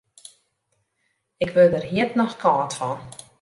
Ik wurd der hjit noch kâld fan.